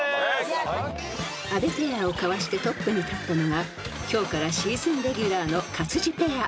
［阿部ペアをかわしてトップに立ったのが今日からシーズンレギュラーの勝地ペア］